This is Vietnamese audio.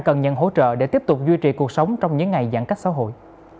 cần nhận hỗ trợ để tiếp tục duy trì cuộc sống trong những ngày giãn cách xã hội